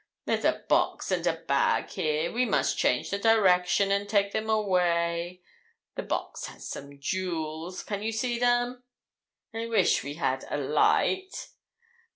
There's a box and a bag here; we must change the direction, and take them away. The box has some jewels. Can you see them? I wish we had a light.'